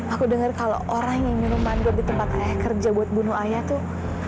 aku dengar kalau orang yang minum manggur di tempat ayah kerja buat bunuh ayah tuh